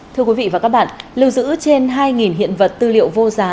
thưa quý vị và các bạn lưu giữ trên hai hiện vật tư liệu vô giá